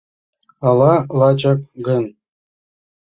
Ала лачак гын?